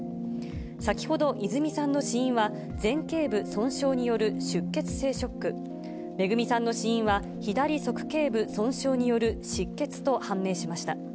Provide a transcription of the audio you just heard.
先ほど、泉さんの死因は、前けい部損傷による出血性ショック、恵さんの死因は、左側けい部損傷による失血と判明しました。